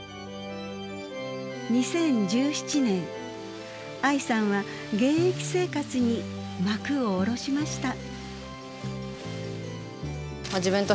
２０１７年藍さんは現役生活に幕を下ろしました。